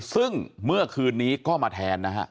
ซึ่งเมื่อคืนนี้ก็มาแทนนะฮะ